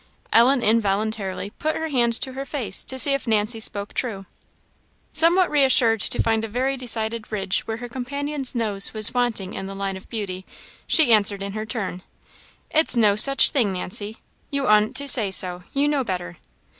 Ellen involuntarily put her hand to her face, to see if Nancy spoke true. Somewhat reassured to find a very decided ridge where her companion's nose was wanting in the line of beauty, she answered in her turn "It's no such thing, Nancy! you oughtn't to say so; you know better."